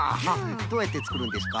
どうやってつくるんですか？